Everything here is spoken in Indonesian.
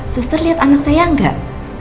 suster liat anak saya gak